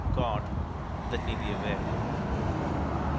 God let me be aware.